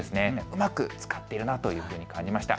うまく使っているなということを感じました。